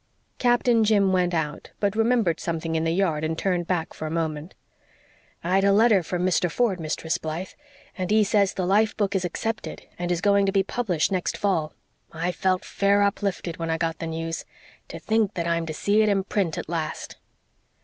Captain Jim went out, but remembered something in the yard and turned back for a moment. "I'd a letter from Mr. Ford, Mistress Blythe, and he says the life book is accepted and is going to be published next fall. I felt fair uplifted when I got the news. To think that I'm to see it in print at last."